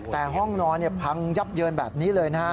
แต่ห้องนอนพังยับเยินแบบนี้เลยนะฮะ